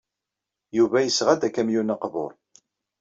Yuba yesɣa-d akamyun aqbur.